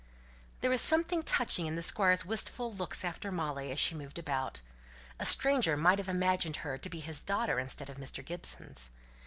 There was something touching in the Squire's wistful looks after Molly as she moved about. A stranger might have imagined her to be his daughter instead of Mr. Gibson's.